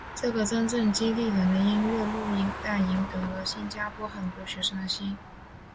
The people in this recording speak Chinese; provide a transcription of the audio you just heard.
这个真正激励人的音乐录影带赢得了新加坡很多学生的心。